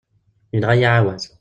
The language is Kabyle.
Yenɣa-yi ɛawaz.